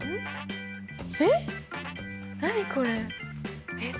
えっ何これ？えっ？